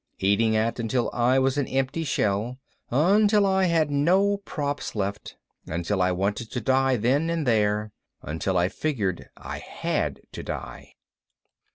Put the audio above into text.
... eating at until I was an empty shell, until I had no props left, until I wanted to die then and there, until I figured I had to die